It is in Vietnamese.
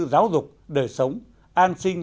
giáo dục đời sống an sinh